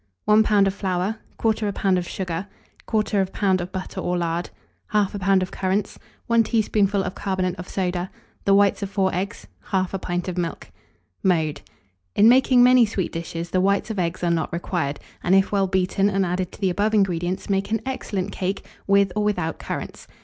1 lb. of flour, 1/4 lb. of sugar, 1/4 lb. of butter or lard, 1/2 lb. of currants, 1 teaspoonful of carbonate of soda, the whites of 4 eggs, 1/2 pint of milk. Mode, In making many sweet dishes, the whites of eggs are not required, and if well beaten and added to the above ingredients, make an excellent cake, with or without currants.